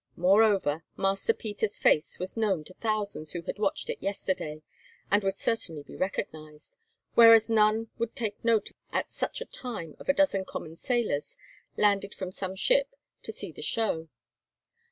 Moreover, Master Peter's face was known to thousands who had watched it yesterday, and would certainly be recognised, whereas none would take note at such a time of a dozen common sailors landed from some ship to see the show.